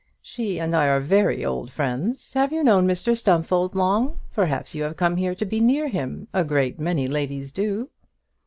She and I are very old friends. Have you known Mr Stumfold long? Perhaps you have come here to be near him; a great many ladies do."